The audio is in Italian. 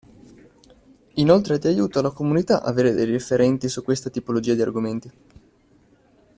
Inoltre, è di aiuto alla comunità avere dei referenti su questa tipologia di argomenti.